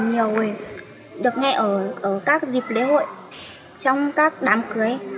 nhiều người được nghe ở các dịp lễ hội trong các đám cưới